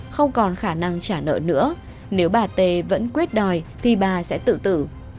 không còn khả năng trả nợ nữa nếu bà tê vẫn quyết đòi thì bà sẽ tự tử